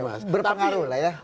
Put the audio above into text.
oke berpengaruh lah ya